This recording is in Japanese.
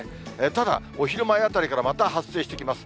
ただ、お昼前あたりからまた発生してきます。